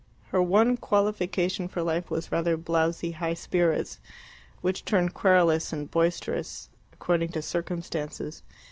Her one qualification for life was rather blowsy high spirits, which turned querulous or boisterous according to circumstances.